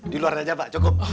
di luar saja pak cukup